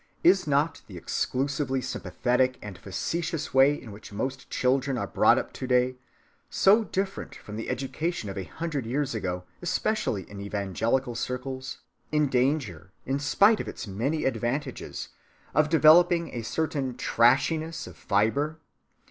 Is not the exclusively sympathetic and facetious way in which most children are brought up to‐day—so different from the education of a hundred years ago, especially in evangelical circles—in danger, in spite of its many advantages, of developing a certain trashiness of fibre?